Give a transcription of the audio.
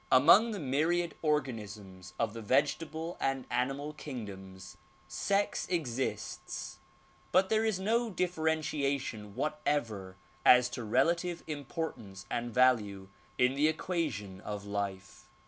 Among the myriad organisms of the vegetable and animal kingdoms, sex exists but there is no differentiation whatever as to relative importance and value in the equation of life.